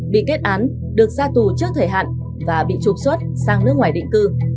bị kết án được ra tù trước thời hạn và bị trục xuất sang nước ngoài định cư